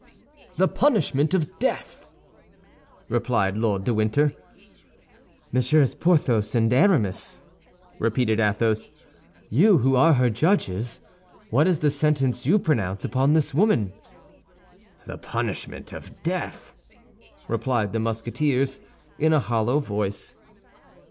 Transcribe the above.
"The punishment of death," replied Lord de Winter. "Messieurs Porthos and Aramis," repeated Athos, "you who are her judges, what is the sentence you pronounce upon this woman?" "The punishment of death," replied the Musketeers, in a hollow voice.